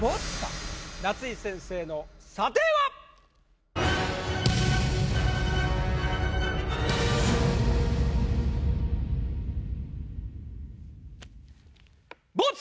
夏井先生の査定は⁉ボツ！